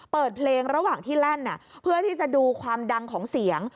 เปิดเพลงระหว่างที่แล่นเพื่อที่จะดูความดังของเสียง